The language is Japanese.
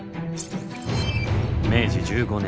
明治１５年。